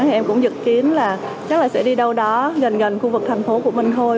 thì em cũng dự kiến là chắc là sẽ đi đâu đó gần gần khu vực thành phố của mình thôi